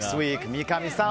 三上さん